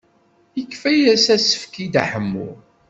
Yefka-as asefk i Dda Ḥemmu.